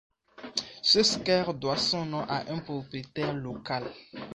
Ce square doit son nom à un propriétaire local.